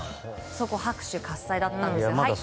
そこ、拍手喝采だったんですが。